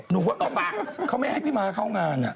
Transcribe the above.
ว่าเขาไม่ให้พี่ม้าเข้างาน